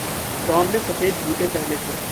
Tom ने सफ़ेद जूते पहने थे।